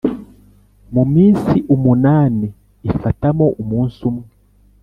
mu minsi umunani ifatamo umunsi umwe